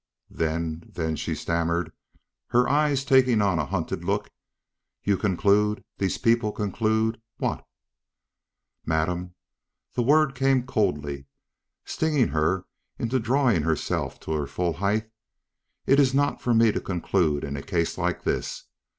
"Then then " she stammered, her eyes taking on a hunted look, "you conclude these people conclude what?" "Madam," the word came coldly, stinging her into drawing herself to her full height, "it is not for me to conclude in a case like this.